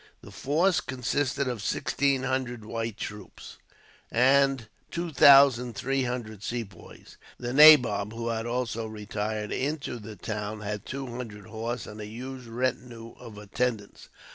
The force consisted of sixteen hundred white troops, and two thousand three hundred Sepoys. The nabob, who had also retired into the town, had two hundred horse and a huge retinue of attendants.